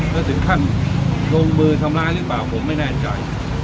แล้วถึงขั้นลงมือทำร้ายหรือเปล่าผมไม่แน่ใจ